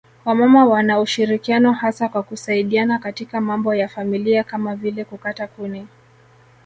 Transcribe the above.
Wamama wana ushirikiano hasa kwa kusaidiana katika mambo ya familia kama vile kukata kuni